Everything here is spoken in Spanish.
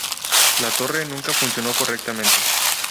La torre nunca funcionó correctamente.